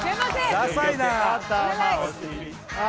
ダサいなあ